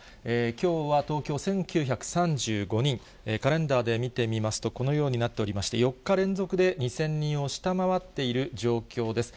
きょうは東京、１９３５人、カレンダーで見てみますと、このようになっておりまして、４日連続で２０００人を下回っている状況です。